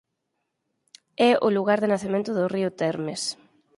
É o lugar de nacemento do río Termes.